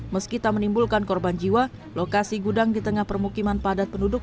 meski tak menimbulkan korban jiwa lokasi gudang di tengah permukiman padat penduduk